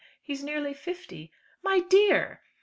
He is nearly fifty." "My dear!"